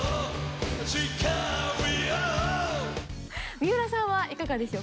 水卜さんはいかがでしょうか？